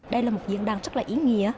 đây là một diễn đàn rất là ý nghĩa